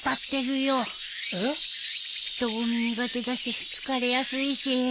えっ？人混み苦手だし疲れやすいし。